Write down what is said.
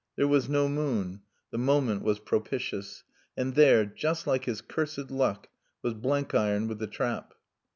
There was no moon. The moment was propitious. And there (just like his cursed luck) was Blenkiron with the trap.